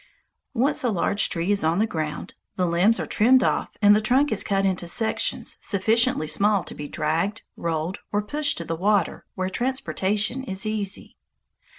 Once a large tree is on the ground, the limbs are trimmed off and the trunk is cut into sections sufficiently small to be dragged, rolled, or pushed to the water, where transportation is easy.